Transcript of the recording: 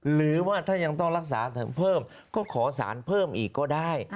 หรือว่าถ้ายังต้องรักษาเพิ่มก็ขอสารเพิ่มอีกก็ได้